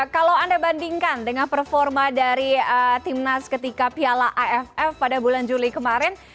kalau anda bandingkan dengan performa dari timnas ketika piala aff pada bulan juli kemarin